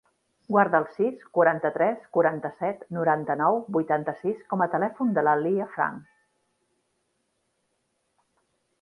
Guarda el sis, quaranta-tres, quaranta-set, noranta-nou, vuitanta-sis com a telèfon de la Leah Franch.